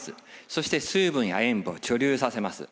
そして水分や塩分を貯留させます。